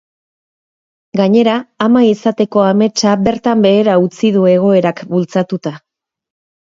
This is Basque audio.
Gainera, ama izateko ametsa bertan behera utzi du egoerak bultzatuta.